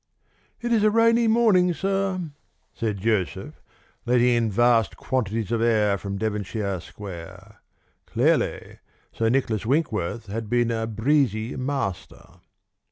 "It is a rainy morning, sir," said Joseph, letting in vast quantities of air from Devonshire Square. Clearly, Sir Nicholas Winkworth had been a breezy master.